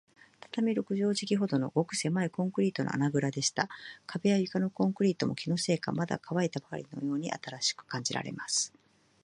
畳六畳敷きほどの、ごくせまいコンクリートの穴ぐらでした。壁や床のコンクリートも、気のせいか、まだかわいたばかりのように新しく感じられます。